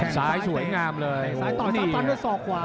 ซ้ายสวยงามเลยโอ้โหนี่